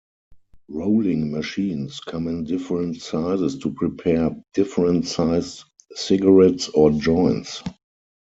Rolling machines come in different sizes to prepare different sized cigarettes or joints.